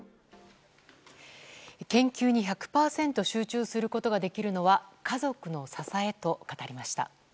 研究に１００％集中することができるのは家族の支えと語りました。